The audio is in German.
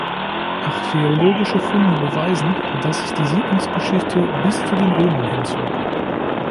Archäologische Funde beweisen, dass sich die Siedlungsgeschichte bis zu den Römern hinzog.